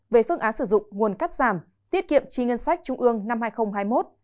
về phương án sử dụng nguồn cắt giảm tiết kiệm chi ngân sách trung ương năm hai nghìn hai mươi một